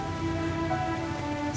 sepetak di belakang rumahnya